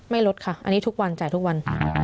ลดค่ะอันนี้ทุกวันจ่ายทุกวัน